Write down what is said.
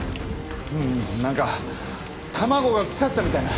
うん何か卵が腐ったみたいな。